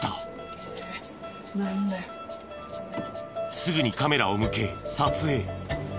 すぐにカメラを向け撮影。